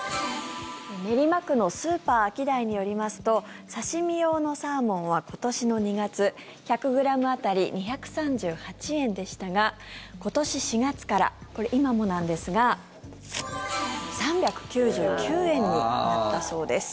練馬区のスーパーアキダイによりますと刺し身用のサーモンは今年の２月１００ｇ当たり２３８円でしたが今年４月からこれ、今もなんですが３９９円になったそうです。